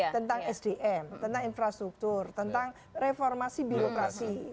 tentang sdm tentang infrastruktur tentang reformasi birokrasi